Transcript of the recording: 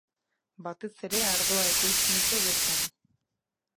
Batez ere ardoa ekoizten dute bertan.